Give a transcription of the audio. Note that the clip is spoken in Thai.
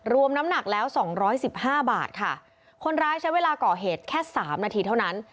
น้ำหนักแล้วสองร้อยสิบห้าบาทค่ะคนร้ายใช้เวลาก่อเหตุแค่สามนาทีเท่านั้น